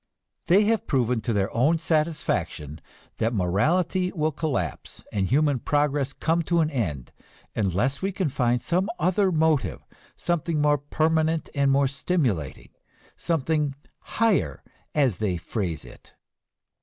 They have proven to their own satisfaction that morality will collapse and human progress come to an end unless we can find some other motive, something more permanent and more stimulating, something "higher," as they phrase it.